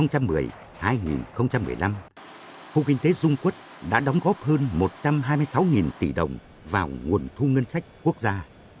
từ năm hai nghìn một mươi hai nghìn một mươi năm khu kinh tế dung quốc đã đóng góp hơn một trăm hai mươi sáu tỷ đồng vào nguồn thu ngân sách quốc gia